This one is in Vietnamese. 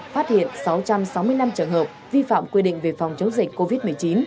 phát hiện sáu trăm sáu mươi năm trường hợp vi phạm quy định về phòng chống dịch covid một mươi chín